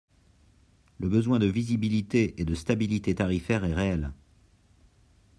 Le besoin de visibilité et de stabilité tarifaires est réel.